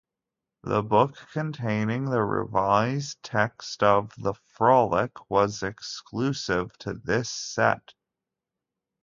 The book containing the revised text of "The Frolic," was exclusive to this set.